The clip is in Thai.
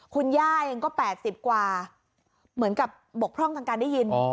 คุณย่ายังก็แปดสิบกว่าเหมือนกับบกท่องทางการได้ยินอ๋อ